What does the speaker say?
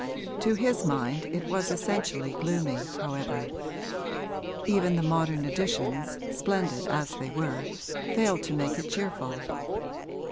To his mind it was essentially gloomy, however; even the modern additions, splendid as they were, failed to make it cheerful.